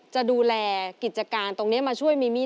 จะดูแลกิจการตรงนี้มาช่วยมีหนี้